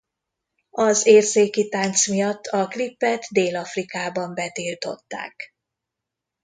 Az érzéki tánc miatt a klipet Dél-Afrikában betiltották.